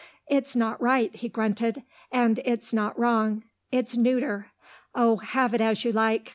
"It's not right," he grunted, "and it's not wrong. It's neuter. Oh, have it as you like.